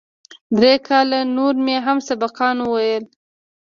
درې کاله نور مې هم سبقان وويل.